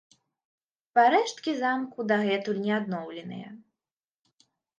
Парэшткі замку дагэтуль не адноўленыя.